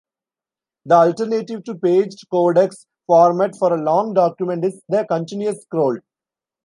The alternative to paged codex format for a long document is the continuous scroll.